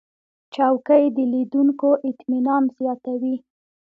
چوکۍ د لیدونکو اطمینان زیاتوي.